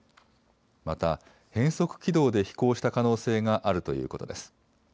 また変則軌道で飛行した可能性があるということです。